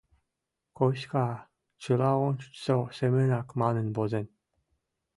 Коська, чыла ончычсо семынак, манын возен.